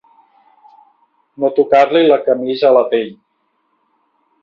No tocar-li la camisa a la pell.